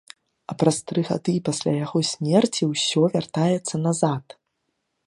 А праз тры гады пасля яго смерці ўсё вяртаецца назад.